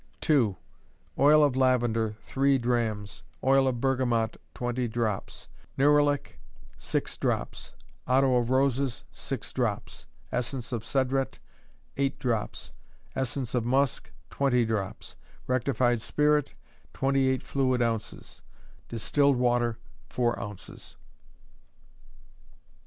2. Oil of lavender, three drachms; oil of bergamot, twenty drops; nerolic, six drops; otto of roses, six drops; essence of cedrat, eight drops; essence of musk, twenty drops; rectified spirit, twenty eight fluid ounces; distilled water, four ounces.